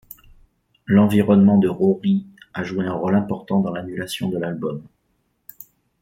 L'environnement de Rory a joué un rôle important dans l'annulation de l'album.